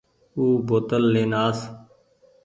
او بوتل لين آس